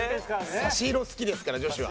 差し色好きですから女子は。